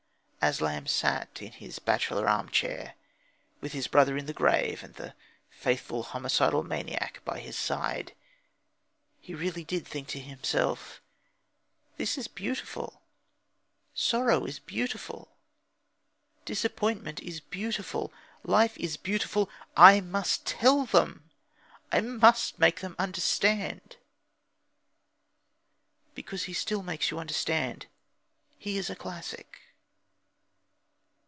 As Lamb sat in his bachelor arm chair, with his brother in the grave, and the faithful homicidal maniac by his side, he really did think to himself, "This is beautiful. Sorrow is beautiful. Disappointment is beautiful. Life is beautiful. I must tell them. I must make them understand." Because he still makes you understand he is a classic.